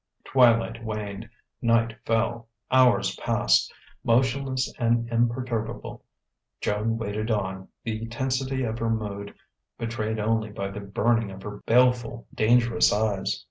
Twilight waned; night fell; hours passed. Motionless and imperturbable, Joan waited on, the tensity of her mood betrayed only by the burning of her baleful, dangerous eyes.